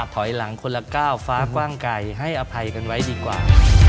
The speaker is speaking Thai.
ถอยหลังคนละก้าวฟ้ากว้างไก่ให้อภัยกันไว้ดีกว่า